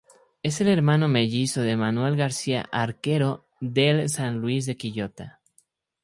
Es el hermano mellizo de Manuel García arquero del San Luis de Quillota.